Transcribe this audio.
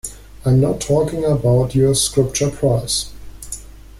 I'm not talking about your Scripture prize.